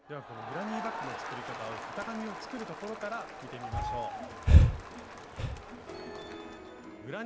このグラニーバッグの作り方を型紙を作るところから見てみましょう。